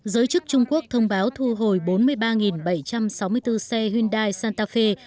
giới chức trung quốc thông báo thu hồi bốn mươi ba bảy trăm sáu mươi bốn xe hyundai santafe